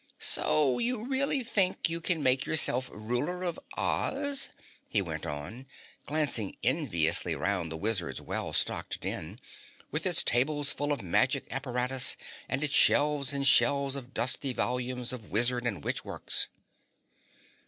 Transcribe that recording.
So you really think you can make yourself Ruler of Oz?" he went on, glancing enviously round the wizard's well stocked den, with its tables full of magic apparatus and its shelves and shelves of dusty volumes of wizard and witch works.